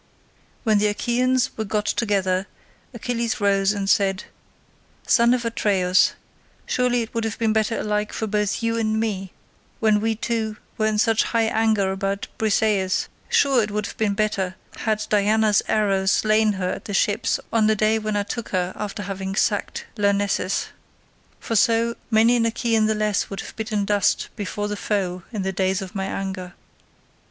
When the Achaeans were got together Achilles rose and said, "Son of Atreus, surely it would have been better alike for both you and me, when we two were in such high anger about Briseis, surely it would have been better, had Diana's arrow slain her at the ships on the day when I took her after having sacked Lyrnessus. For so, many an Achaean the less would have bitten dust before the foe in the days of my anger.